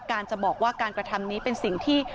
การจะบอกว่าการกระทำนี้เป็นสิ่งที่